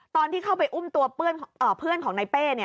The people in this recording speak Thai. ตอนที่เข้าไปอุ้มตัวเพื่อนของนายเป้